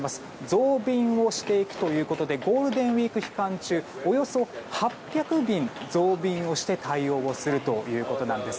増便をしていくということでゴールデンウィーク期間中およそ８００便増便をして対応をするということなんです。